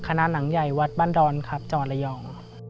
คณะหนังใหญ่วัดบ้านดรครับจละยอง